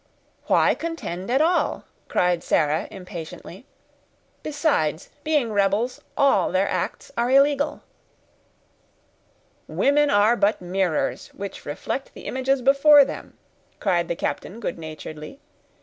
"Why contend at all?" cried Sarah, impatiently. "Besides, being rebels, all their acts are illegal." "Women are but mirrors, which reflect the images before them," cried the captain, good naturedly.